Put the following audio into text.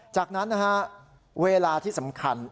จากนั้นนะฮะเวลาที่สำคัญ